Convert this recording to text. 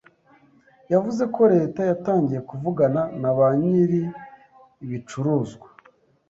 Yavuze ko Leta yatangiye kuvugana na ba nyiri ibicuruzwa